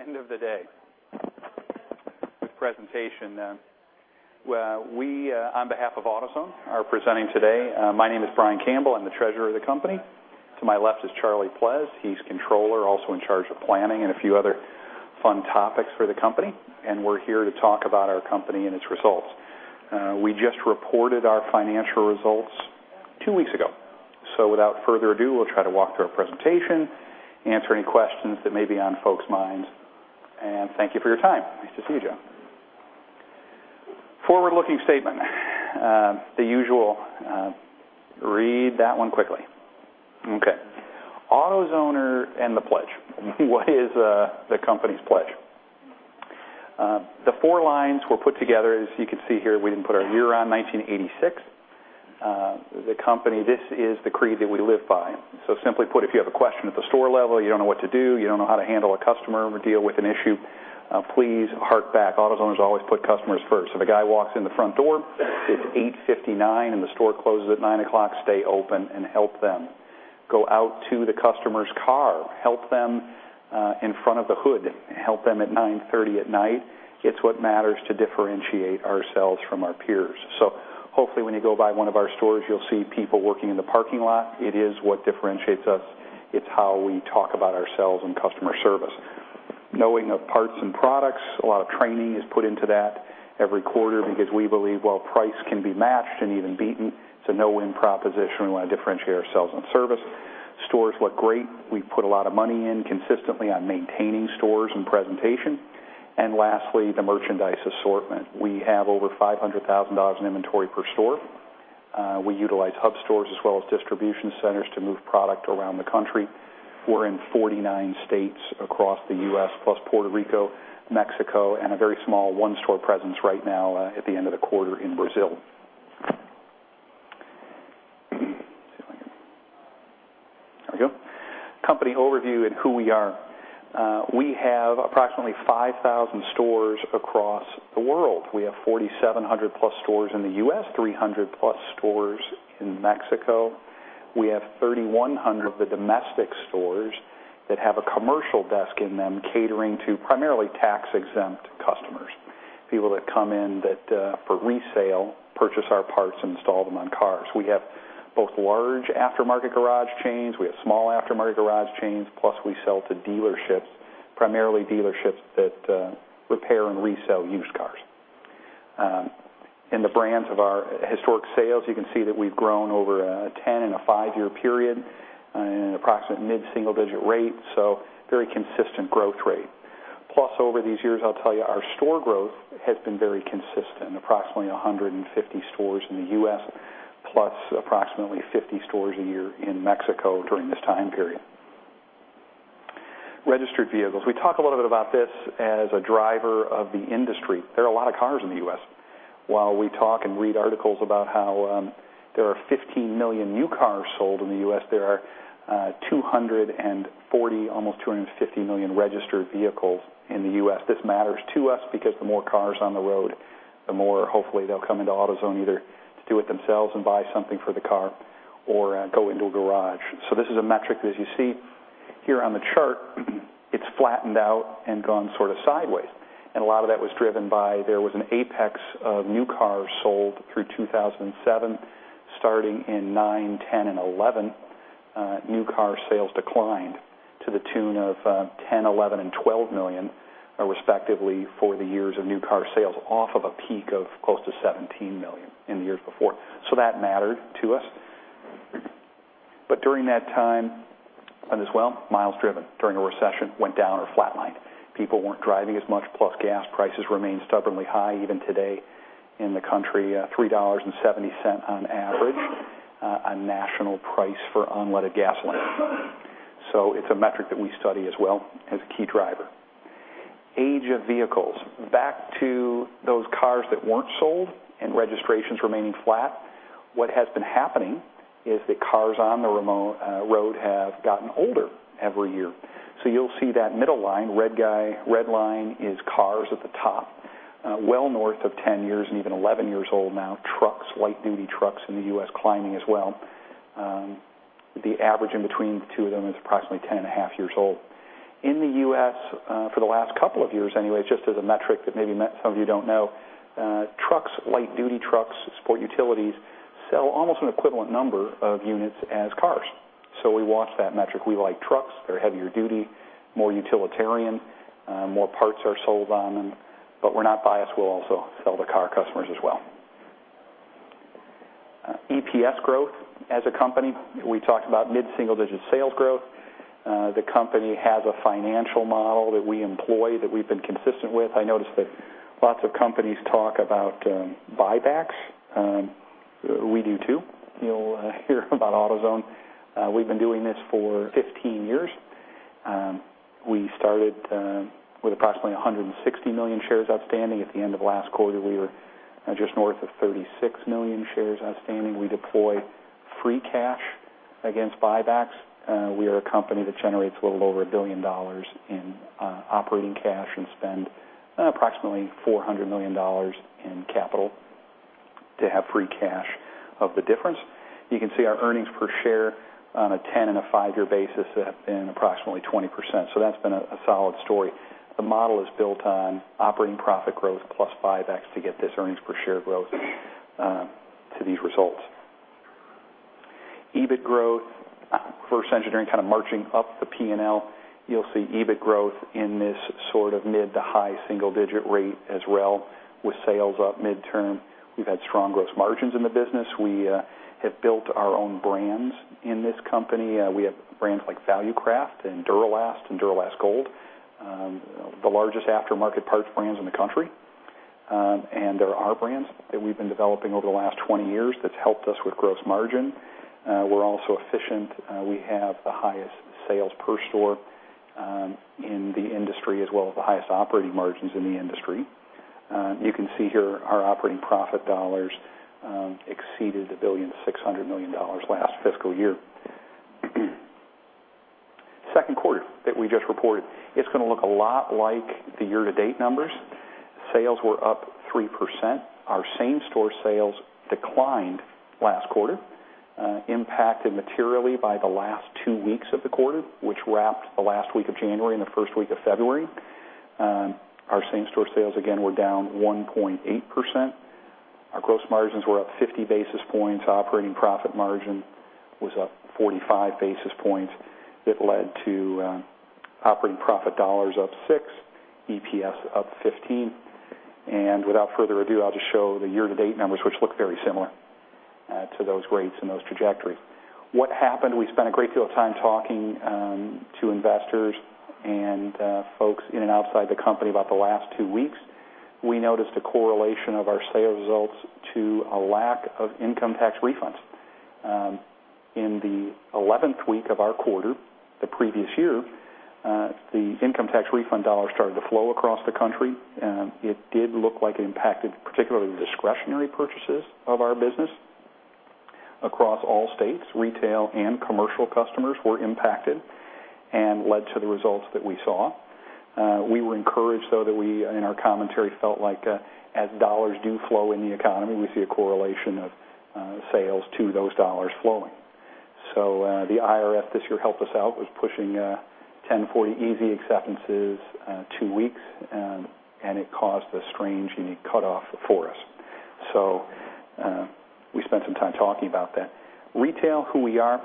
Hey. Good morning. End of the day. Good presentation. We, on behalf of AutoZone, are presenting today. My name is Brian Campbell. I'm the treasurer of the company. To my left is Charlie Pleas. He's controller, also in charge of planning and a few other fun topics for the company, and we're here to talk about our company and its results. We just reported our financial results two weeks ago. Without further ado, we'll try to walk through our presentation, answer any questions that may be on folks' minds, and thank you for your time. Nice to see you, Joe. Forward-looking statement. The usual. Read that one quickly. Okay. AutoZoner and the pledge. What is the company's pledge? The four lines were put together, as you can see here, we even put our year on, 1986. The company, this is the creed that we live by. Simply put, if you have a question at the store level, you don't know what to do, you don't know how to handle a customer or deal with an issue, please hark back. AutoZone has always put customers first. If a guy walks in the front door, it's 8:59 P.M. and the store closes at 9:00 P.M., stay open and help them. Go out to the customer's car, help them in front of the hood, help them at 9:30 P.M. at night. It's what matters to differentiate ourselves from our peers. Hopefully when you go by one of our stores, you'll see people working in the parking lot. It is what differentiates us. It's how we talk about ourselves and customer service. Knowing of parts and products, a lot of training is put into that every quarter because we believe while price can be matched and even beaten, it's a no-win proposition. We want to differentiate ourselves on service. Stores look great. We put a lot of money in consistently on maintaining stores and presentation. Lastly, the merchandise assortment. We have over $500,000 in inventory per store. We utilize hub stores as well as distribution centers to move product around the country. We're in 49 states across the U.S., plus Puerto Rico, Mexico, and a very small one-store presence right now at the end of the quarter in Brazil. There we go. Company overview and who we are. We have approximately 5,000 stores across the world. We have 4,700+ stores in the U.S., 300+ stores in Mexico. We have 3,100 of the domestic stores that have a commercial desk in them catering to primarily tax-exempt customers, people that come in that, for resale, purchase our parts and install them on cars. We have both large aftermarket garage chains, we have small aftermarket garage chains, plus we sell to dealerships, primarily dealerships that repair and resell used cars. In the brands of our historic sales, you can see that we've grown over a 10- and a five-year period in an approximate mid-single-digit rate, very consistent growth rate. Over these years, I'll tell you, our store growth has been very consistent, approximately 150 stores in the U.S., plus approximately 50 stores a year in Mexico during this time period. Registered vehicles. We talk a little bit about this as a driver of the industry. There are a lot of cars in the U.S. While we talk and read articles about how there are 50 million new cars sold in the U.S., there are 240 million, almost 250 million registered vehicles in the U.S. This matters to us because the more cars on the road, the more, hopefully, they'll come into AutoZone either to do it themselves and buy something for the car or go into a garage. This is a metric that, as you see here on the chart, it's flattened out and gone sort of sideways. A lot of that was driven by, there was an apex of new cars sold through 2007. Starting in 2009, 2010, and 2011, new car sales declined to the tune of 10 million, 11 million, and 12 million, respectively, for the years of new car sales, off of a peak of close to 17 million in the years before. That mattered to us. During that time, and as well, miles driven during a recession went down or flat-lined. People weren't driving as much, plus gas prices remained stubbornly high, even today in the country, $3.70 on average, a national price for unleaded gasoline. It's a metric that we study as well as a key driver. Age of vehicles. Back to those cars that weren't sold and registrations remaining flat, what has been happening is that cars on the road have gotten older every year. You'll see that middle line, red line, is cars at the top, well north of 10 years and even 11 years old now. Trucks, light-duty trucks in the U.S. climbing as well. The average in between the two of them is approximately 10.5 ears old. In the U.S., for the last couple of years anyway, just as a metric that maybe some of you don't know, trucks, light-duty trucks, sport utilities, sell almost an equivalent number of units as cars. We watch that metric. We like trucks. They're heavier duty, more utilitarian, more parts are sold on them. We're not biased. We'll also sell to car customers as well. EPS growth as a company. We talked about mid-single-digit sales growth. The company has a financial model that we employ that we've been consistent with. I noticed that lots of companies talk about buybacks. We do, too. You'll hear about AutoZone. We've been doing this for 15 years. We started with approximately 160 million shares outstanding. At the end of last quarter, we were just north of 36 million shares outstanding. We deploy free cash against buybacks. We are a company that generates a little over $1 billion operating cash and spend approximately $400 million in capital to have free cash of the difference. You can see our earnings per share on a 10 and a five-year basis have been approximately 20%. That's been a solid story. The model is built on operating profit growth plus 5x to get this earnings per share growth to these results. EBIT growth, [first] engineering, kind of marching up the P&L, you'll see EBIT growth in this sort of mid to high single-digit rate as well with sales up midterm. We've had strong gross margins in the business. We have built our own brands in this company. We have brands like Valucraft and Duralast and Duralast Gold, the largest aftermarket parts brands in the country. There are our brands that we've been developing over the last 20 years that's helped us with gross margin. We're also efficient. We have the highest sales per store in the industry, as well as the highest operating margins in the industry. You can see here our operating profit dollars exceeded $1.6 billion last fiscal year. Second quarter that we just reported, it's going to look a lot like the year-to-date numbers. Sales were up 3%. Our same-store sales declined last quarter, impacted materially by the last two weeks of the quarter, which wrapped the last week of January and the first week of February. Our same-store sales, again, were down 1.8%. Our gross margins were up 50 basis points. Operating profit margin was up 45 basis points. It led to operating profit dollars up six, EPS up 15 basis points. Without further ado, I'll just show the year-to-date numbers, which look very similar to those rates and those trajectory. What happened, we spent a great deal of time talking to investors and folks in and outside the company about the last two weeks. We noticed a correlation of our sales results to a lack of income tax refunds. In the 11th week of our quarter, the previous year, the income tax refund dollars started to flow across the country. It did look like it impacted particularly the discretionary purchases of our business across all states. Retail and commercial customers were impacted and led to the results that we saw. We were encouraged, though, that we, in our commentary, felt like as dollars do flow in the economy, we see a correlation of sales to those dollars flowing. The IRS this year helped us out, was pushing 1040EZ acceptances two weeks, and it caused a strange cutoff for us. We spent some time talking about that. Retail, who we are.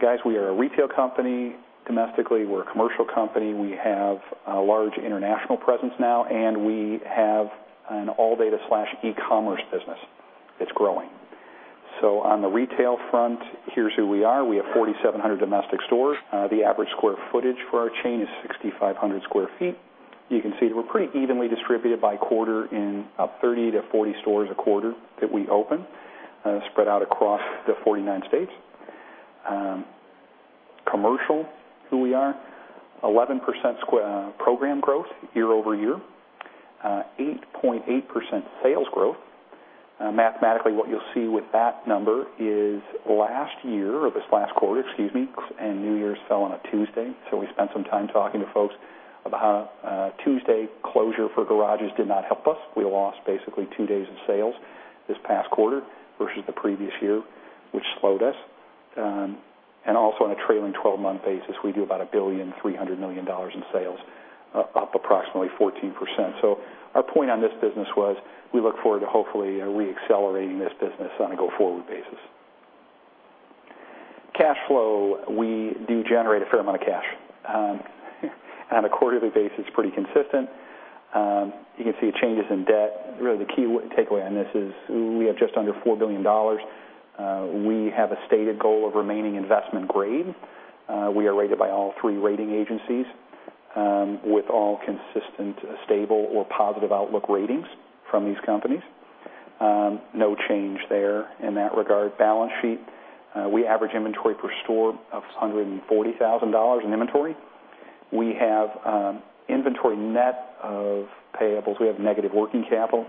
Guys, we are a retail company domestically. We're a commercial company. We have a large international presence now, and we have an ALLDATA/e-commerce business that's growing. On the retail front, here's who we are. We have 4,700 domestic stores. The average square footage for our chain is 6,500 sq ft. You can see that we're pretty evenly distributed by quarter in about 30-40 stores a quarter that we open, spread out across the 49 states. Commercial, who we are, 11% program growth year-over-year, 8.8% sales growth. Mathematically, what you'll see with that number is last year, or this last quarter, excuse me, and New Year's fell on a Tuesday. We spent some time talking to folks about how Tuesday closure for garages did not help us. We lost basically two days of sales this past quarter versus the previous year, which slowed us. Also on a trailing 12-month basis, we do about $1.3 billion in sales, up approximately 14%. Our point on this business was we look forward to hopefully re-accelerating this business on a go-forward basis. Cash flow, we do generate a fair amount of cash. On a quarterly basis, pretty consistent. You can see changes in debt. Really, the key takeaway on this is we have just under $4 billion. We have a stated goal of remaining investment grade. We are rated by all three rating agencies with all consistent, stable, or positive outlook ratings from these companies. No change there in that regard. Balance sheet, we average inventory per store of $500,000 in inventory. We have inventory net of payables. We have negative working capital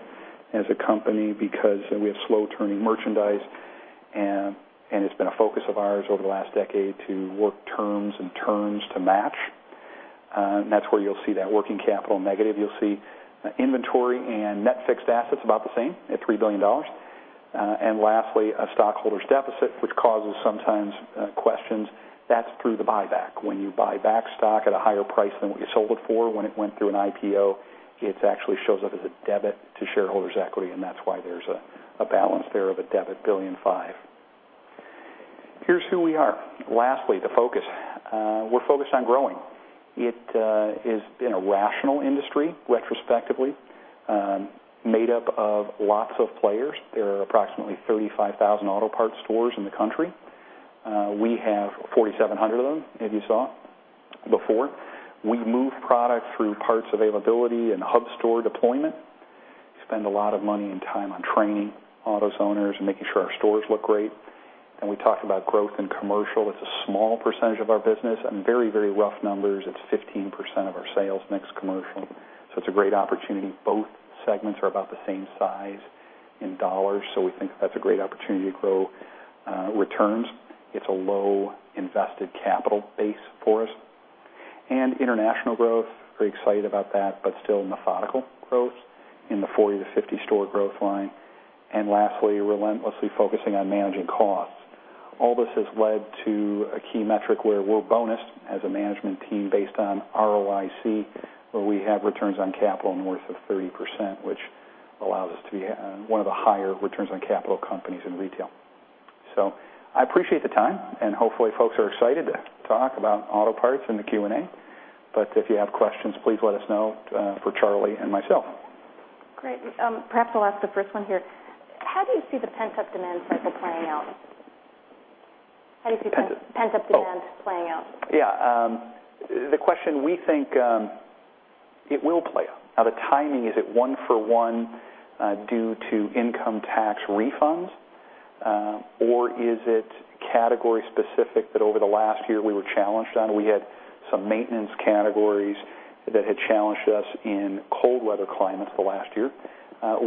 as a company because we have slow-turning merchandise, and it's been a focus of ours over the last decade to work terms and turns to match. That's where you'll see that working capital negative. You'll see inventory and net fixed assets about the same at $3 billion. Lastly, a stockholders' deficit, which causes sometimes questions. That's through the buyback. When you buy back stock at a higher price than what you sold it for when it went through an IPO, it actually shows up as a debit to shareholders' equity, and that's why there's a balance there of a debit $1.5 billion. Here's who we are. Lastly, the focus. We're focused on growing. It has been a rational industry retrospectively, made up of lots of players. There are approximately 35,000 auto parts stores in the country. We have 4,700 of them, as you saw before. We move product through parts availability and hub store deployment. Spend a lot of money and time on training AutoZoners and making sure our stores look great. We talk about growth in commercial. It's a small percentage of our business and very rough numbers. It's 15% of our sales mix commercial. It's a great opportunity. Both segments are about the same size in dollars. We think that's a great opportunity to grow returns. It's a low invested capital base for us. International growth, very excited about that, but still methodical growth in the 40-50 store growth line. Lastly, relentlessly focusing on managing costs. All this has led to a key metric where we're bonused as a management team based on ROIC, where we have returns on capital north of 30%, which allows us to be one of the higher returns on capital companies in retail. I appreciate the time, and hopefully folks are excited to talk about auto parts in the Q&A. If you have questions, please let us know, for Charlie and myself. Great. Perhaps I'll ask the first one here. How do you see the pent-up demand cycle playing out? How do you see pent-up demand playing out? Yeah. The question we think it will play out. The timing, is it one for one due to income tax refunds, or is it category specific that over the last year we were challenged on? We had some maintenance categories that had challenged us in cold weather climates the last year.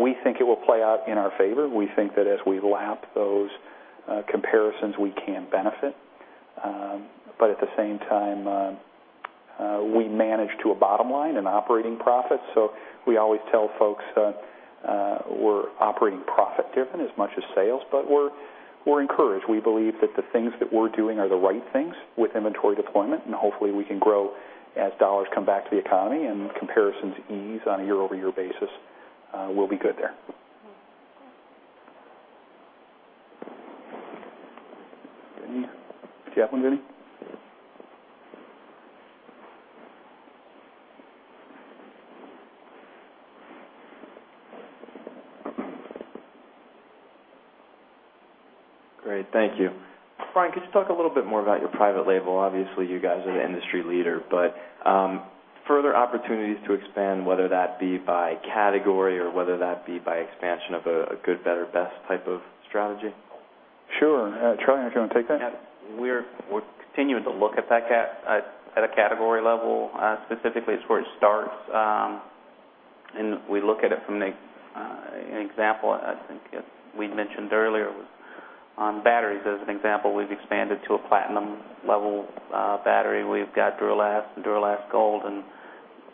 We think it will play out in our favor. We think that as we lap those comparisons, we can benefit. At the same time, we manage to a bottom line in operating profits. We always tell folks we're operating profit-driven as much as sales, but we're encouraged. We believe that the things that we're doing are the right things with inventory deployment, and hopefully we can grow as dollars come back to the economy and comparisons ease on a year-over-year basis. We'll be good there. [Jenny]. Do you have one, [Jenny]? Great. Thank you. Brian, could you talk a little bit more about your private label? Obviously, you guys are the industry leader, further opportunities to expand, whether that be by category or whether that be by expansion of a good, better, best type of strategy? Sure. Charlie, do you want to take that? Yeah. We're continuing to look at a category level, specifically as where it starts, and we look at it from an example, I think as we mentioned earlier, was on batteries as an example. We've expanded to a platinum level battery. We've got Duralast and Duralast Gold and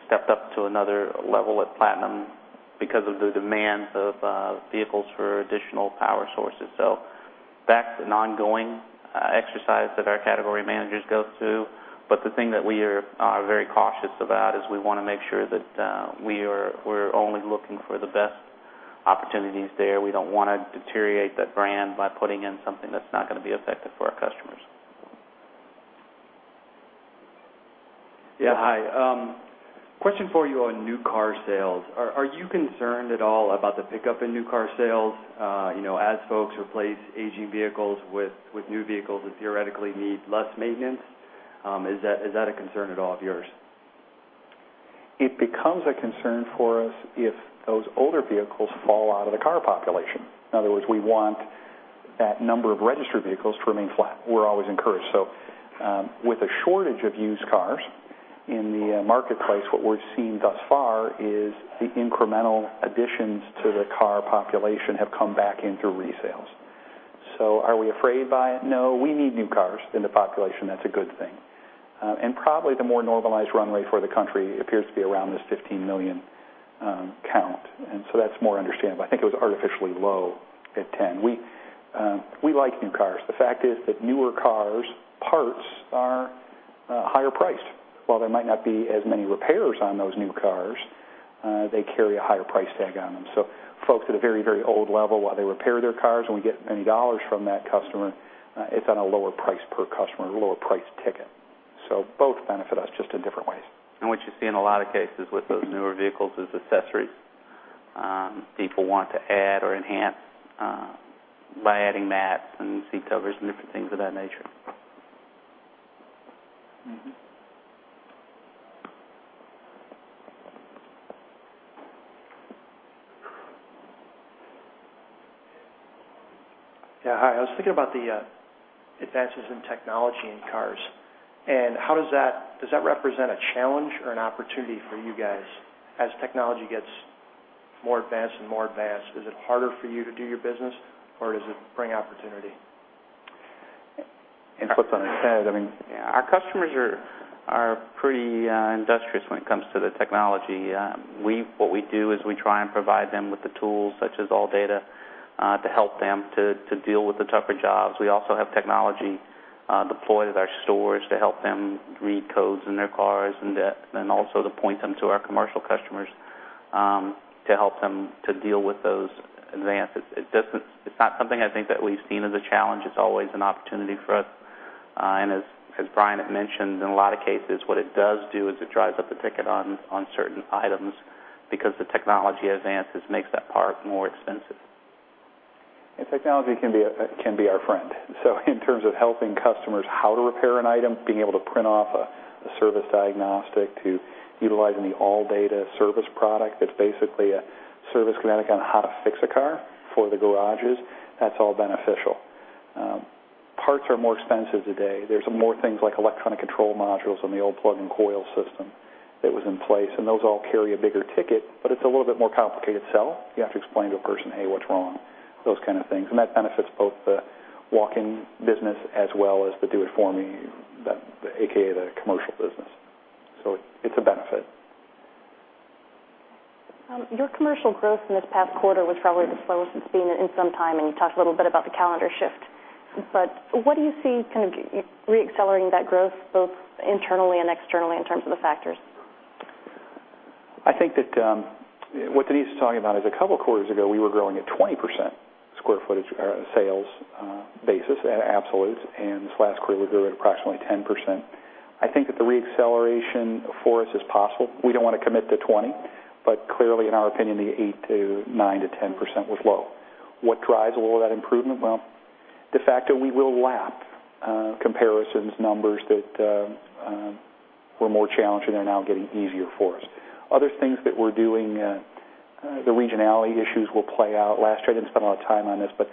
stepped up to another level with platinum because of the demands of vehicles for additional power sources. That's an ongoing exercise that our category managers go through, the thing that we are very cautious about is we want to make sure that we're only looking for the best opportunities there. We don't want to deteriorate that brand by putting in something that's not going to be effective for our customers. Yeah, hi. Question for you on new car sales. Are you concerned at all about the pickup in new car sales as folks replace aging vehicles with new vehicles that theoretically need less maintenance? Is that a concern at all of yours? It becomes a concern for us if those older vehicles fall out of the car population. In other words, we want that number of registered vehicles to remain flat. We're always encouraged. With a shortage of used cars in the marketplace, what we're seeing thus far is the incremental additions to the car population have come back in through resales. Are we afraid by it? No, we need new cars in the population. That's a good thing. Probably the more normalized runway for the country appears to be around this 15 million count, that's more understandable. I think it was artificially low at 10. We like new cars. The fact is that newer cars' parts are higher priced. While there might not be as many repairs on those new cars, they carry a higher price tag on them. Folks at a very old level, while they repair their cars and we get many dollars from that customer, it's on a lower price per customer, a lower price ticket. Both benefit us, just in different ways. What you see in a lot of cases with those newer vehicles is accessories. People want to add or enhance by adding mats and seat covers and different things of that nature. Yeah, hi. I was thinking about the advances in technology in cars. Does that represent a challenge or an opportunity for you guys as technology gets more advanced and more advanced? Is it harder for you to do your business, or does it bring opportunity? It puts on its head. Our customers are pretty industrious when it comes to the technology. What we do is we try and provide them with the tools, such as ALLDATA, to help them to deal with the tougher jobs. We also have technology deployed at our stores to help them read codes in their cars and also to point them to our commercial customers, to help them to deal with those advances. It's not something I think that we've seen as a challenge. It's always an opportunity for us. As Brian had mentioned, in a lot of cases, what it does do is it drives up the ticket on certain items because the technology advances makes that part more expensive. Technology can be our friend. In terms of helping customers how to repair an item, being able to print off a service diagnostic to utilizing the ALLDATA Service Connect product that's basically a Service Connect on how to fix a car for the garages, that's all beneficial. Parts are more expensive today. There's more things like electronic control modules than the old plug and coil system that was in place. Those all carry a bigger ticket, but it's a little bit more complicated sell. You have to explain to a person, "Hey, what's wrong?" Those kind of things. That benefits both the walk-in business as well as the do-it-for-me, the AKA, the commercial business. It's a benefit. Your commercial growth in this past quarter was probably the slowest it's been in some time. You talked a little bit about the calendar shift. What do you see re-accelerating that growth both internally and externally in terms of the factors? I think that what Denise is talking about is a couple of quarters ago, we were growing at 20% square footage or sales basis at absolutes, and this last quarter we grew at approximately 10%. I think that the re-acceleration for us is possible. We don't want to commit to 20%, but clearly in our opinion, the 8% to 9% to 10% was low. What drives a lot of that improvement? Well, the fact that we will lap comparisons, numbers that were more challenging are now getting easier for us. Other things that we're doing, the regionality issues will play out. Last year, I didn't spend a lot of time on this, but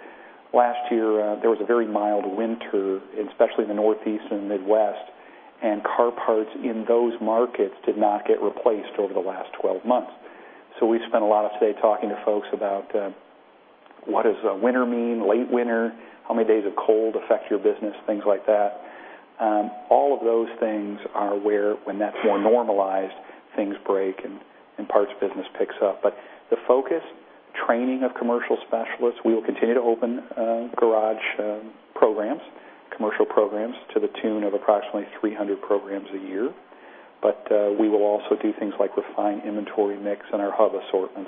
last year, there was a very mild winter, especially in the Northeast and Midwest, and car parts in those markets did not get replaced over the last 12 months. We've spent a lot of today talking to folks about what does a winter mean, late winter, how many days of cold affect your business, things like that. All of those things are where, when that's more normalized, things break and parts business picks up. The focus, training of commercial specialists, we will continue to open garage programs, commercial programs to the tune of approximately 300 programs a year. We will also do things like refine inventory mix and our hub assortment.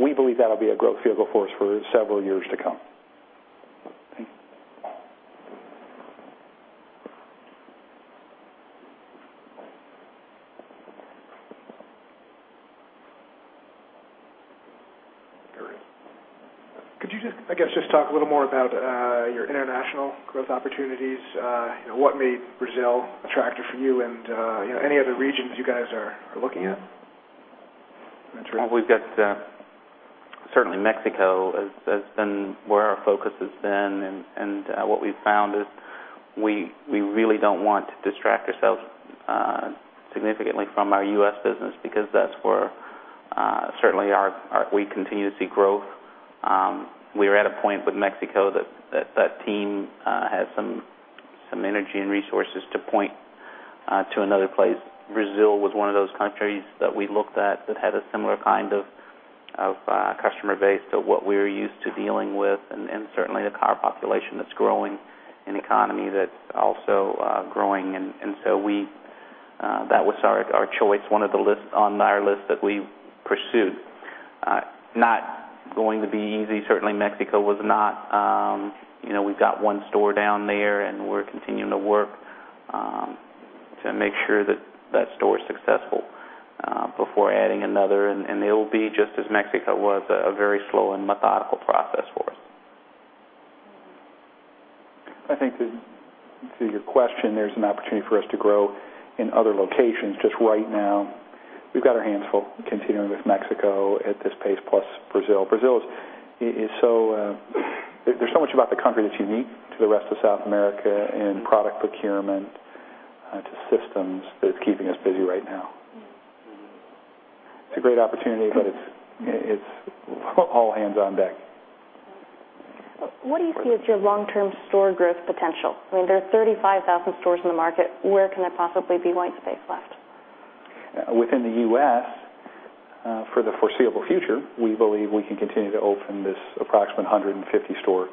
We believe that'll be a growth vehicle for us for several years to come. Could you just, I guess, just talk a little more about your international growth opportunities, what made Brazil attractive for you and any other regions you guys are looking at? Well, we've got certainly Mexico has been where our focus has been, and what we've found is we really don't want to distract ourselves significantly from our U.S. business because that's where certainly we continue to see growth. We are at a point with Mexico that that team has some energy and resources to point to another place. Brazil was one of those countries that we looked at that had a similar kind of customer base to what we're used to dealing with, and certainly the car population that's growing and economy that's also growing. That was our choice, one of the list on our list that we pursued. Not going to be easy. Certainly, Mexico was not. We've got one store down there and we're continuing to work to make sure that that store is successful before adding another. It'll be just as Mexico was, a very slow and methodical process for us. I think to your question, there's an opportunity for us to grow in other locations. Just right now, we've got our hands full continuing with Mexico at this pace, plus Brazil. Brazil, there's so much about the country that's unique to the rest of South America in product procurement to systems that's keeping us busy right now. It's a great opportunity. It's all hands on deck. What do you see as your long-term store growth potential? There are 35,000 stores in the market. Where can there possibly be white space left? Within the U.S., for the foreseeable future, we believe we can continue to open this approximate 150 store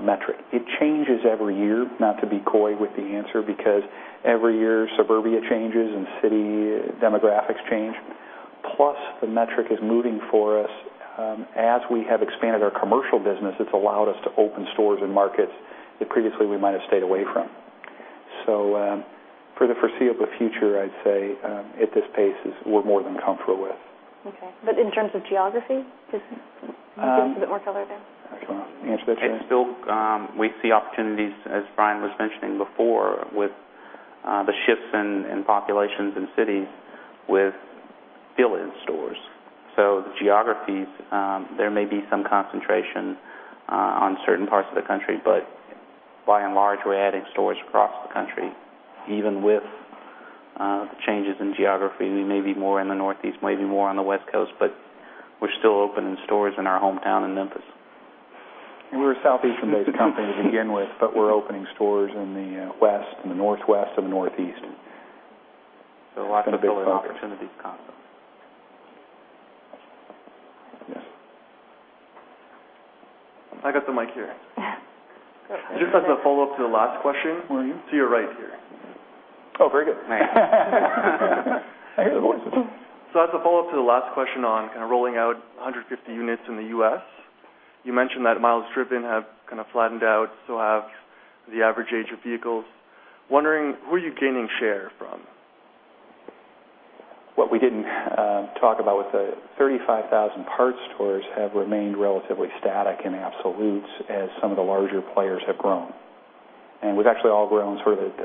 metric. It changes every year. Not to be coy with the answer because every year suburbia changes and city demographics change. Plus, the metric is moving for us. As we have expanded our commercial business, it's allowed us to open stores and markets that previously we might have stayed away from. For the foreseeable future, I'd say at this pace is we're more than comfortable with. Okay. In terms of geography, just can you give us a bit more color there? I don't know. You want to answer that, Charlie? It's still we see opportunities, as Brian was mentioning before, with the shifts in populations and cities with fill-in stores. The geographies, there may be some concentration on certain parts of the country, by and large, we're adding stores across the country. Even with the changes in geography, we may be more in the Northeast, maybe more on the West Coast, but we're still opening stores in our hometown in Memphis. We're a Southeastern-based company to begin with, we're opening stores in the West, in the Northwest, and the Northeast. Lots of fill-in opportunities constantly. Yes. I got the mic here. Good. Just as a follow-up to the last question. Where are you? To your right here. Oh, very good. I hear the voices. As a follow-up to the last question on kind of rolling out 150 units in the U.S., you mentioned that miles driven have kind of flattened out, have the average age of vehicles. Wondering, who are you gaining share from? What we didn't talk about with the 35,000 parts stores have remained relatively static in absolutes as some of the larger players have grown. We've actually all grown sort of at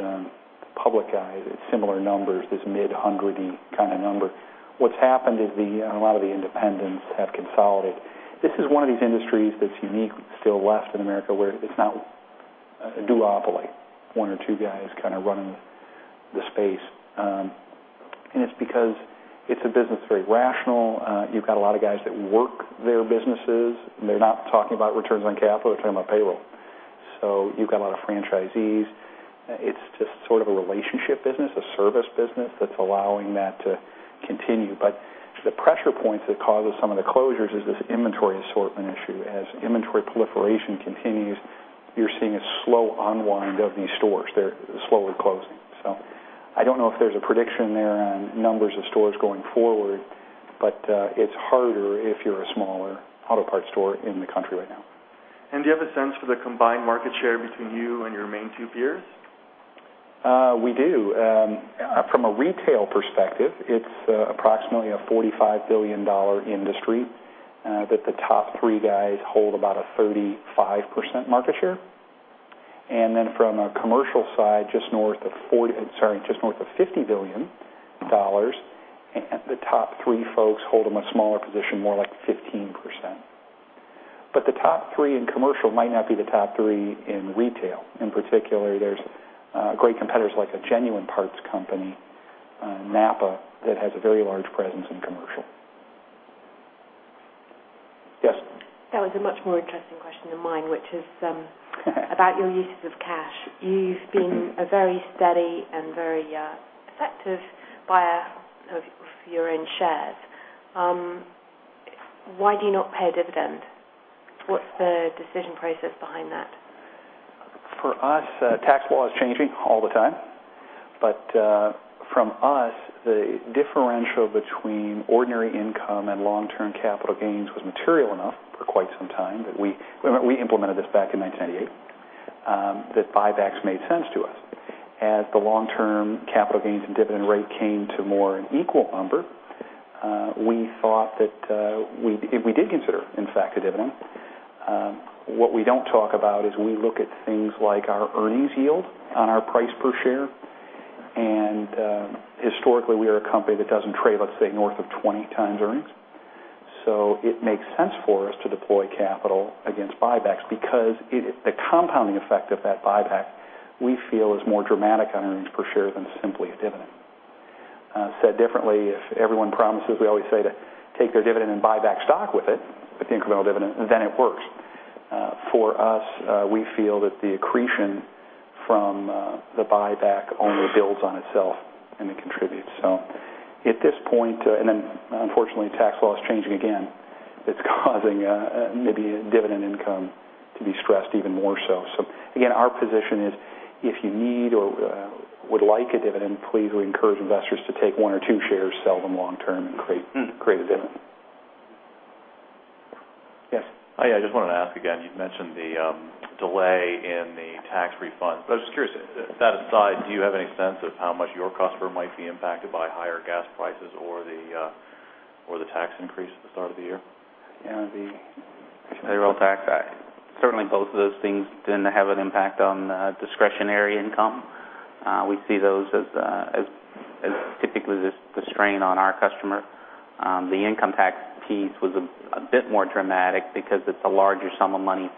public levels, at similar numbers, this mid-100 kind of number. What's happened is a lot of the independents have consolidated. This is one of these industries that's unique, still left in America, where it's not a duopoly. One or two guys kind of running the space. It's because it's a business, very rational. You've got a lot of guys that work their businesses, and they're not talking about returns on capital, they're talking about payroll. You've got a lot of franchisees. It's just sort of a relationship business, a service business that's allowing that to continue. The pressure points that causes some of the closures is this inventory assortment issue. As inventory proliferation continues, you're seeing a slow unwind of these stores. They're slowly closing. I don't know if there's a prediction there on numbers of stores going forward, but it's harder if you're a smaller auto parts store in the country right now. Do you have a sense for the combined market share between you and your main two peers? We do. From a retail perspective, it's approximately a $45 billion industry, that the top three guys hold about a 35% market share. From a commercial side, just north of $50 billion, the top three folks hold a much smaller position, more like 15%. The top three in commercial might not be the top three in retail. In particular, there's great competitors like a Genuine Parts Company, NAPA, that has a very large presence in commercial. Yes. That was a much more interesting question than mine, about your uses of cash. You've been a very steady and very effective buyer of your own shares. Why do you not pay a dividend? What's the decision process behind that? For us, tax law is changing all the time, from us, the differential between ordinary income and long-term capital gains was material enough for quite some time that we Remember, we implemented this back in 1998, that buybacks made sense to us. As the long-term capital gains and dividend rate came to more an equal number, we thought that We did consider, in fact, a dividend. What we don't talk about is we look at things like our earnings yield on our price per share, and historically, we are a company that doesn't trade, let's say, north of 20x earnings. It makes sense for us to deploy capital against buybacks because the compounding effect of that buyback, we feel, is more dramatic on earnings per share than simply a dividend. Said differently, if everyone promises, we always say, to take their dividend and buy back stock with it, with the incremental dividend, then it works. For us, we feel that the accretion from the buyback only builds on itself and it contributes. At this point, and then unfortunately, tax law is changing again, it's causing maybe a dividend income to be stressed even more so. Again, our position is, if you need or would like a dividend, please, we encourage investors to take one or two shares, sell them long-term, and create a dividend. Yes. Hi. I just wanted to ask again, you'd mentioned the delay in the tax refund. I was just curious, that aside, do you have any sense of how much your customer might be impacted by higher gas prices or the tax increase at the start of the year? Yeah, the payroll tax act. Certainly, both of those things tend to have an impact on discretionary income. We see those as typically the strain on our customer. The income tax piece was a bit more dramatic because it's a larger sum of money,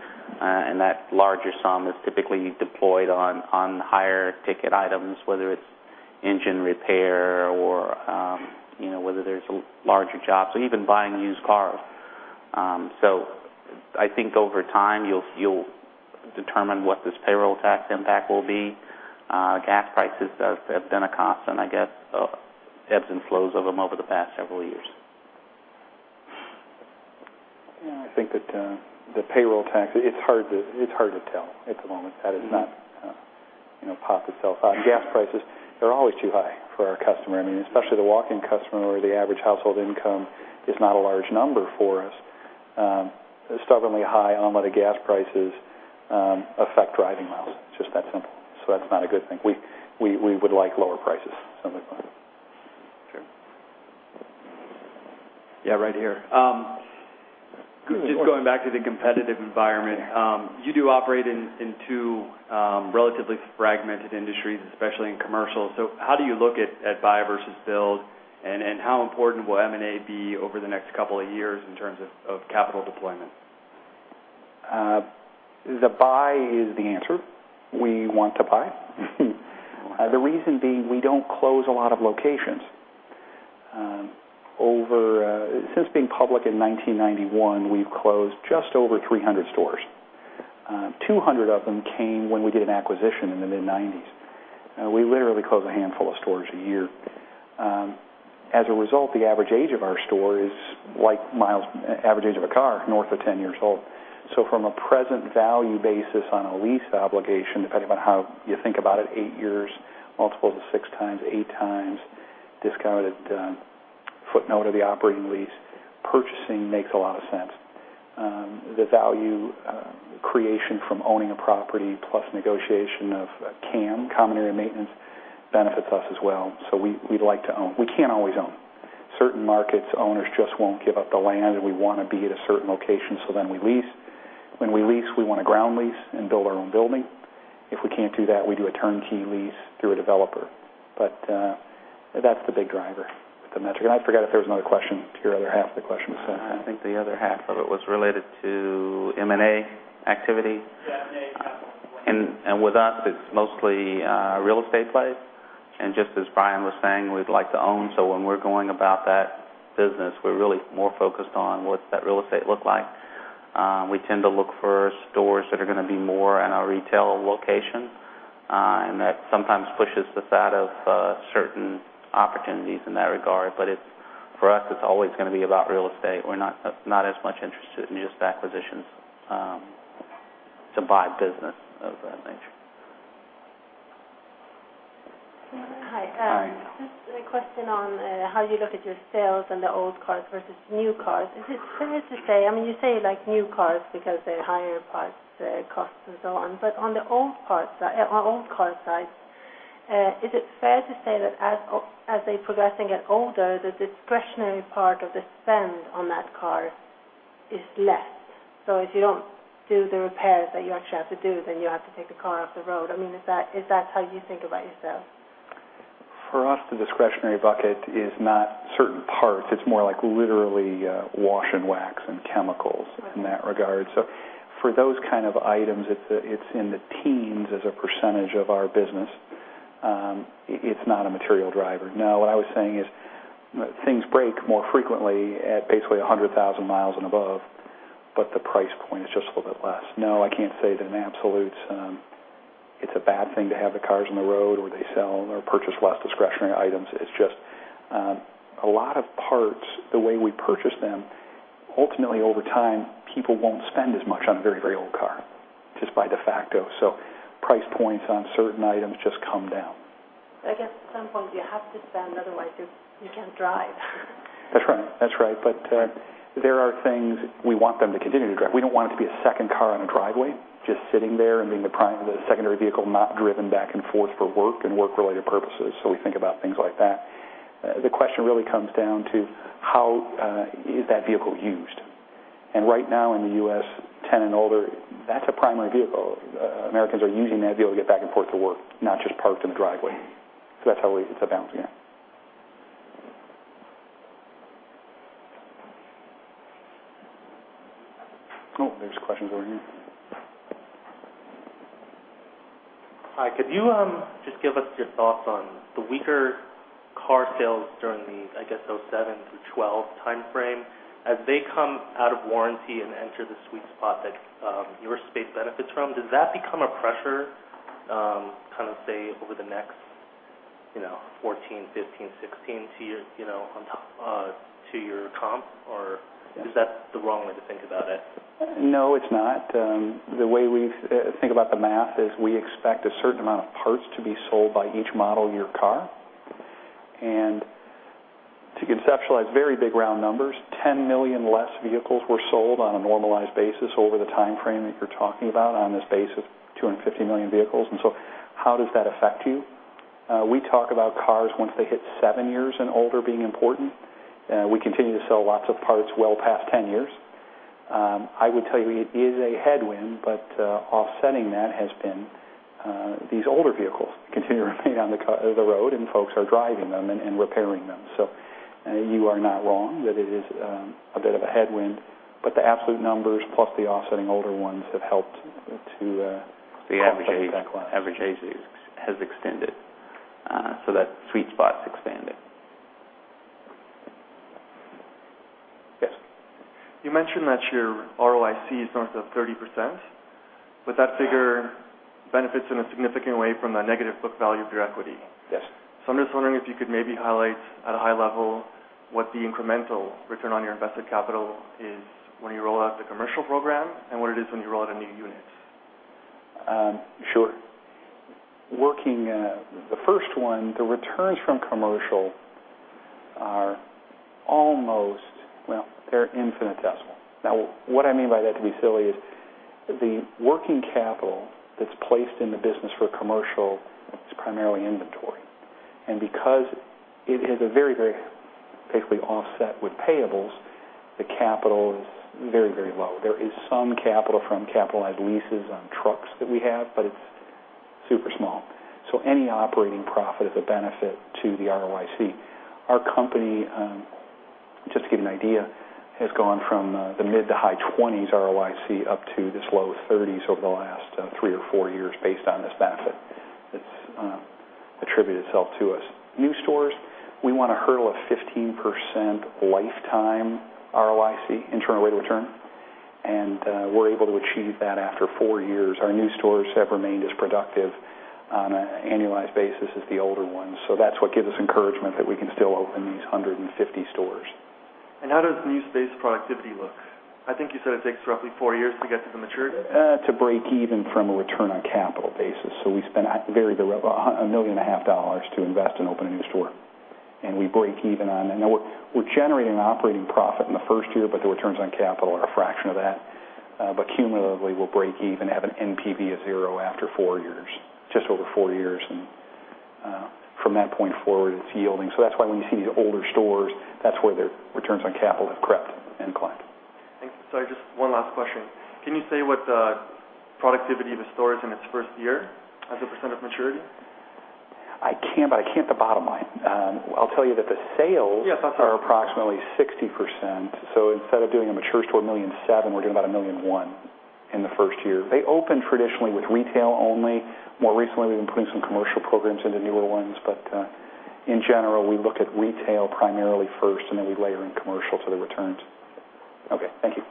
and that larger sum is typically deployed on higher ticket items, whether it's engine repair or whether there's larger jobs or even buying a used car. I think over time you'll determine what this payroll tax impact will be. Gas prices have been a constant, I guess, ebbs and flows of them over the past several years. I think that the payroll tax, it's hard to tell at the moment. That has not popped itself out. Gas prices are always too high for our customer. Especially the walk-in customer, where the average household income is not a large number for us. A stubbornly high unleaded gas prices affect driving miles, just that simple. That's not a good thing. We would like lower prices, simply put. Sure. Right here. Just going back to the competitive environment. You do operate in two relatively fragmented industries, especially in commercial. How do you look at buy versus build, and how important will M&A be over the next couple of years in terms of capital deployment? The buy is the answer. We want to buy. The reason being, we don't close a lot of locations. Since being public in 1991, we've closed just over 300 stores. 200 of them came when we did an acquisition in the mid-1990s. We literally close a handful of stores a year. As a result, the average age of our store is like miles, average age of a car, north of 10 years old. From a present value basis on a lease obligation, depending on how you think about it, eight years, multiples of 6x, 8x, discounted footnote of the operating lease, purchasing makes a lot of sense. The value creation from owning a property plus negotiation of CAM, common area maintenance, benefits us as well. We like to own. We can't always own. Certain markets, owners just won't give up the land, and we want to be at a certain location, we lease. When we lease, we want a ground lease and build our own building. If we can't do that, we do a turnkey lease through a developer. That's the big driver, the metric. I forgot if there was another question, your other half of the question was that. I think the other half of it was related to M&A activity. Yeah, M&A. With us, it's mostly a real estate play. Just as Brian was saying, we'd like to own, when we're going about that business, we're really more focused on what's that real estate look like. We tend to look for stores that are going to be more in a retail location, and that sometimes pushes us out of certain opportunities in that regard. For us, it's always going to be about real estate. We're not as much interested in just acquisitions, to buy business of that nature. Hi. Hi. Just a question on how you look at your sales and the old cars versus new cars. Is it fair to say, you say new cars because they're higher parts costs and so on, but on the old car side, is it fair to say that as they progress and get older, the discretionary part of the spend on that car is less? If you don't do the repairs that you actually have to do, then you have to take the car off the road. Is that how you think about your sales? For us, the discretionary bucket is not certain parts. It's more like literally wash and wax and chemicals. Okay. in that regard. For those kind of items, it's in the teens as percentage of our business. It's not a material driver. What I was saying is things break more frequently at basically 100,000 mi and above, but the price point is just a little bit less. I can't say it in absolutes. It's a bad thing to have the cars on the road, or they sell or purchase less discretionary items. It's just, a lot of parts, the way we purchase them, ultimately, over time, people won't spend as much on a very old car, just by de facto. Price points on certain items just come down. I guess at some point you have to spend, otherwise you can't drive. That's right. There are things we want them to continue to drive. We don't want it to be a second car in a driveway, just sitting there and being the secondary vehicle, not driven back and forth for work and work-related purposes. We think about things like that. The question really comes down to how is that vehicle used. Right now in the U.S., 10 years and older, that's a primary vehicle. Americans are using that vehicle to get back and forth to work, not just parked in the driveway. That's how we. It's a balance, yeah. Oh, there's a question over here. Hi. Could you just give us your thoughts on the weaker car sales during the, I guess, 2007 through 2012 timeframe? As they come out of warranty and enter the sweet spot that your space benefits from, does that become a pressure, say, over the next 14, 15, 16 years to your comp, or is that the wrong way to think about it? No, it's not. The way we think about the math is we expect a certain amount of parts to be sold by each model year car. To conceptualize very big round numbers, 10 million less vehicles were sold on a normalized basis over the timeframe that you're talking about on this base of 250 million vehicles. How does that affect you? We talk about cars once they hit seven years and older being important. We continue to sell lots of parts well past 10 years. I would tell you it is a headwind, but offsetting that has been these older vehicles continue remaining on the road, and folks are driving them and repairing them. You are not wrong that it is a bit of a headwind, but the absolute numbers, plus the offsetting older ones, have helped to. The average age has extended, that sweet spot's expanded. Yes. You mentioned that your ROIC is north of 30%, that figure benefits in a significant way from the negative book value of your equity. Yes. I'm just wondering if you could maybe highlight, at a high level, what the incremental return on your invested capital is when you roll out the commercial program and what it is when you roll out a new unit. Sure. The first one, the returns from commercial are almost, well, they're infinitesimal. What I mean by that, to be silly, is the working capital that's placed in the business for commercial is primarily inventory. Because it is very basically offset with payables, the capital is very low. There is some capital from capitalized leases on trucks that we have, it's super small. Any operating profit is a benefit to the ROIC. Our company, just to give you an idea, has gone from the mid to high 20s ROIC up to this low 30s over the last three or four years based on this benefit that's attributed itself to us. New stores, we want a hurdle of 15% lifetime ROIC, internal rate of return, and we're able to achieve that after four years. Our new stores have remained as productive on an annualized basis as the older ones. That's what gives us encouragement that we can still open these 150 stores. How does new space productivity look? I think you said it takes roughly four years to get to the maturity? To break even from a return on capital basis. We spend $1.5 million to invest in opening a new store, and we break even on it. Now, we're generating an operating profit in the first year, but the returns on capital are a fraction of that. Cumulatively, we'll break even, have an NPV of zero after four years, just over four years, and from that point forward, it's yielding. That's why when you see these older stores, that's where their returns on capital have crept and climbed. Thanks. Sorry, just one last question. Can you say what the productivity of a store is in its first year as a percent of maturity? I can, I can't the bottom line. I'll tell you that the sales- Yes, that's all. Are approximately 60%. Instead of doing a mature store, $1.7 million, we're doing about $1.1 million in the first year. They open traditionally with retail only. More recently, we've been putting some commercial programs into newer ones. In general, we look at retail primarily first, and then we layer in commercial to the returns. Okay, thank you.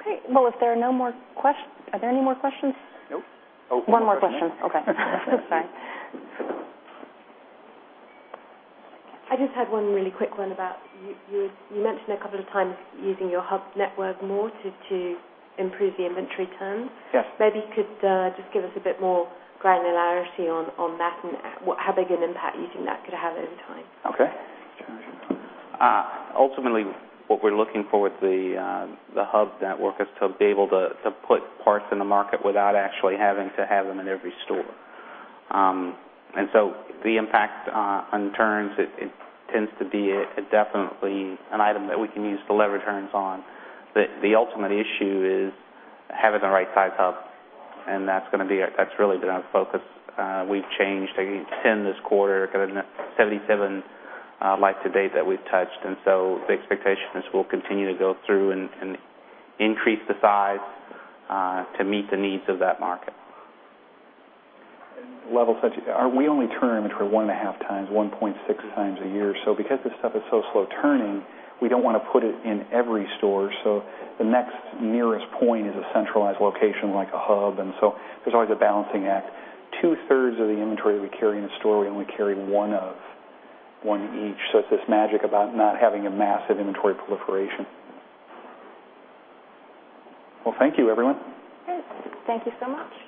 Okay. Well, if there are no more questions. Are there any more questions? Nope. One more question. Okay. Sorry. I just had one really quick one about, you mentioned a couple of times using your hub network more to improve the inventory turns. Yes. Maybe you could just give us a bit more granularity on that and how big an impact using that could have over time. Okay. Ultimately, what we're looking for with the hub network is to be able to put parts in the market without actually having to have them in every store. The impact on turns, it tends to be definitely an item that we can use to lever turns on. The ultimate issue is having the right size hub, and that's really been our focus. We've changed, I think, 10 this quarter, going to 77 like to date that we've touched. The expectation is we'll continue to go through and increase the size to meet the needs of that market. Level sets. We only turn inventory 1.5x, 1.6x a year. Because this stuff is so slow turning, we don't want to put it in every store. The next nearest point is a centralized location like a hub, there's always a balancing act. Two-thirds of the inventory that we carry in a store, we only carry one of, one each, it's this magic about not having a massive inventory proliferation. Well, thank you, everyone. Great. Thank you so much.